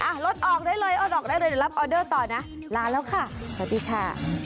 รถออกได้เลยรถออกได้เลยเดี๋ยวรับออเดอร์ต่อนะลาแล้วค่ะสวัสดีค่ะ